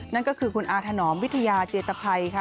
นั่นก็คือคุณอาถนอมวิทยาเจตภัยค่ะ